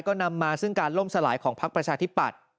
ก็นำมาซึ่งการล่มสลายของพักประชาธิปัตย์